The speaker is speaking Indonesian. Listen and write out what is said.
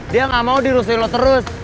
dia gak mau dirusui lo terus